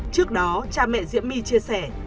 trước đó cha mẹ diễm my chia sẻ